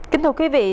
kính thưa quý vị